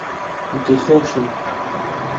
دڵخۆشم!